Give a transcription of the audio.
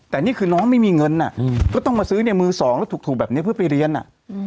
แต่นี่คือน้องไม่มีเงินก็ต้องมาซื้อในมือสองแล้วถูกแบบนี้เพื่อไปเรียน